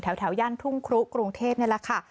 แถวย่านทุ่งครุกรุงเทพนี่แหละค่ะ